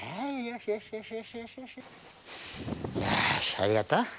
ありがとう。